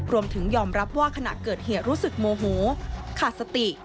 รวมถึงยอมรับว่าขณะเกิดเหยียรู้สึกโมโหขาดสติ